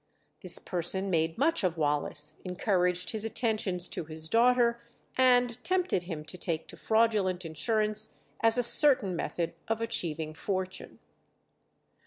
This person made much of Wallace, encouraged his attentions to his daughter, and tempted him to take to fraudulent insurance as a certain method of achieving fortune.